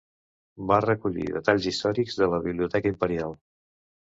Va recollir detalls històrics de la biblioteca Imperial.